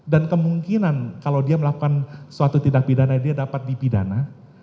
kemungkinan kalau dia melakukan suatu tindak pidana dia dapat dipidana